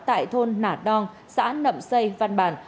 tại thôn nà đong xã nậm xây văn bàn